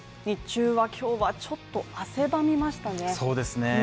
日中は今日はちょっと汗ばみましたね。